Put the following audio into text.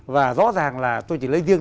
và rõ ràng là tôi chỉ lấy riêng